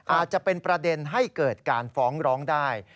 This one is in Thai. อาจจะเป็นประเด็นให้เกิดการฟ้องร้องได้